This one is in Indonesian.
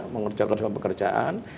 mengerjakan semua pekerjaan